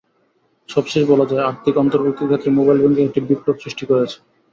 সবশেষে বলা যায়, আর্থিক অন্তর্ভুক্তির ক্ষেত্রে মোবাইল ব্যাংকিং একটি বিপ্লব সৃষ্টি করেছে।